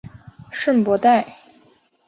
圣博代。